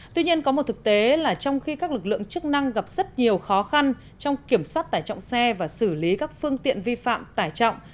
tuy nhiên có một thực tế là trong khi các lực lượng chức năng gặp rất nhiều khó khăn trong kiểm soát tải trọng xe và xử lý các phương tiện vi phạm tải trọng